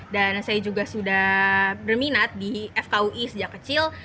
dan saya juga sudah berminat di fkui sejak kecil